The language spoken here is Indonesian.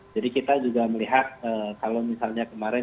jadi kita juga melihat kalau misalnya kemarin